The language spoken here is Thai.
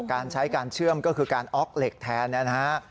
การใช้การเชื่อมก็คือการออกเหล็กแทนเนี่ยนะฮะ